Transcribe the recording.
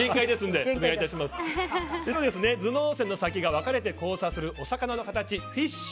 最後、頭脳線の先が分かれて交錯するお魚の形、フィッシュ。